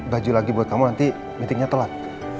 baju lagi buat kamu nanti meetingnya telat